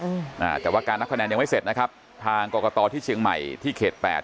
อ่าแต่ว่าการนับคะแนนยังไม่เสร็จนะครับทางกรกตที่เชียงใหม่ที่เขตแปด